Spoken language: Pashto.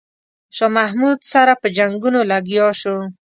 شاه محمود سره په جنګونو لګیا شو.